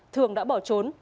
thường đã bỏ trốn